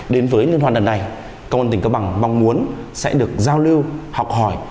đến với nhân hoàn lần này công an tỉnh cao bằng mong muốn sẽ được giao lưu học hỏi